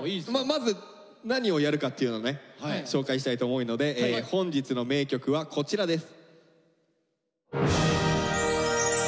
まず何をやるかっていうのね紹介したいと思うので本日の名曲はこちらです。